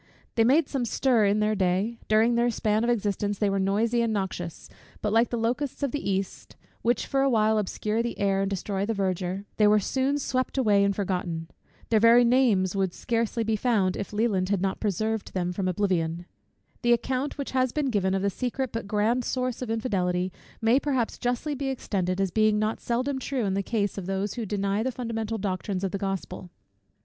They made some stir in their day: during their span of existence they were noisy and noxious; but like the locusts of the east, which for a while obscure the air, and destroy the verdure, they were soon swept away and forgotten. Their very names would be scarcely found, if Leland had not preserved them from oblivion. The account which has been given, of the secret, but grand, source of infidelity, may perhaps justly be extended, as being not seldom true in the case of those who deny the fundamental doctrines of the Gospel.